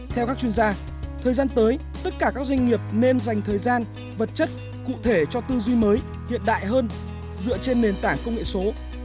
theo các chuyên gia thời gian tới tất cả các doanh nghiệp nên dành thời gian vật chất cụ thể cho tư duy mới hiện đại hơn dựa trên nền tảng công nghệ số